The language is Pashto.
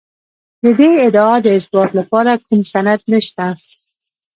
د دې ادعا د اثبات لپاره کوم سند نشته